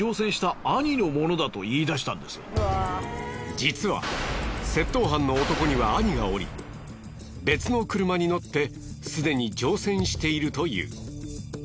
実は窃盗犯の男には兄がおり別の車に乗ってすでに乗船しているという。